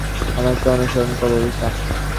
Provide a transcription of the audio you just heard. আমাকে অনুসরন করো, রিকা।